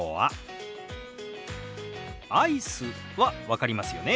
「アイス」は分かりますよね。